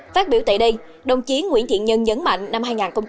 phát biểu tại đây đồng chí nguyễn thiện nhân nhấn mạnh năm hai nghìn một mươi chín